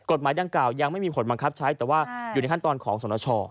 กฎหมายดังกล่าวยังไม่มีผลบังคับใช้แต่ว่าอยู่ในขั้นตอนของสนช